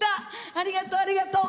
ありがとう、ありがとう。